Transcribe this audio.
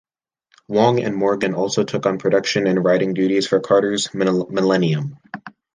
Wong and Morgan also took on production and writing duties for Carter's "Millennium".